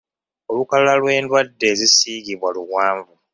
Olukalala lw'endwadde ezisiigibwa luwanvu.